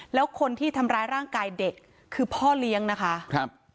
แล้วคนที่ทำร้ายร่างกายเด็กคือพ่อเลี้ยงนะคะครับ